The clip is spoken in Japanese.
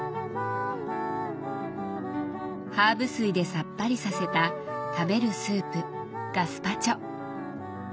ハーブ水でさっぱりさせた食べるスープ「ガスパチョ」。